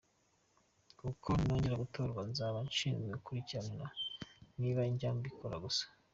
Kuko ninongera gutorwa nzaba nshinzwe gukurikirana niba ijya mu bikorwa gusa.